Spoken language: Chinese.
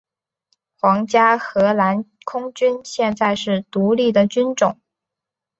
皇家荷兰空军现在是独立的军种。